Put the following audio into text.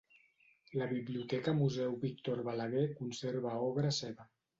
La Biblioteca Museu Víctor Balaguer conserva obra seva.